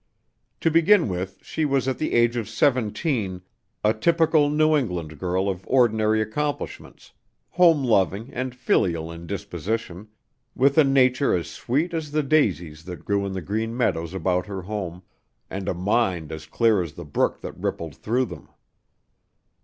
To begin with, she was at the age of seventeen, a typical New England girl of ordinary accomplishments, home loving and filial in disposition, with a nature as sweet as the daisies that grew in the green meadows about her home, and a mind as clear as the brook that rippled through them.